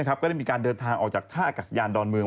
ก็ได้มีการเดินทางออกจากท่าอากาศยานดอนเมือง